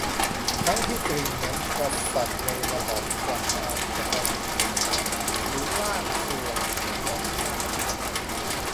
ทั้งที่จริงนั้นกษัตริย์ในระบอบประชาธิปไตยเป็นเพียงสัญลักษณ์หรือ "ร่างทรวง" ของอำนาจอธิปไตย